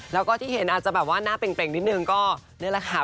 แล้วก็ที่เห็นอาจจะหน้าเปร่งนิดนึงก็เนี่ยแหละครับ